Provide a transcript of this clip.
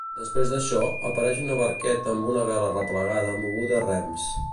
Després d'això, apareix una barqueta amb una vela replegada moguda a rems.